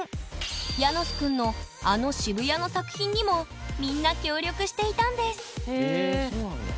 ヤノスくんのあの渋谷の作品にもみんな協力していたんですえそうなんだ。